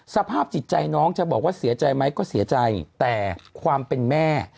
สภาพจิตใจน้องจะบอกว่าเสียใจไหมก็เสียใจแต่ความเป็นแม่